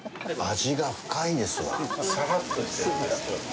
味が深いですわ。